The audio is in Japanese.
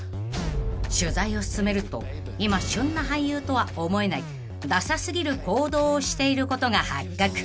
［取材を進めると今旬な俳優とは思えないダサすぎる行動をしていることが発覚］